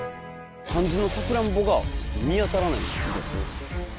肝心のサクランボが見当たらないんです。